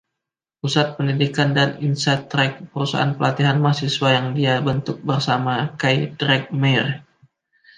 Pusat Pendidikan dan InsideTrack, perusahaan pelatihan mahasiswa yang dia bentuk bersama Kai Drekmeier.